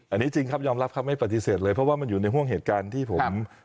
อันนี้จริงครับยอมรับครับไม่ปฏิเสธเลยเพราะว่ามันอยู่ในห่วงเหตุการณ์ที่ผม